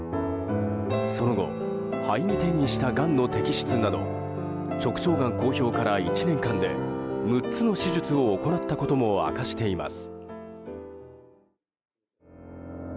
その後肺に転移したがんの摘出など直腸がん公表から１年間で６つの手術を行ったことも明かしています。